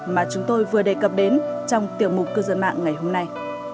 mà chúng tôi vừa đề cập đến trong tiểu mục cư dân mạng ngày hôm nay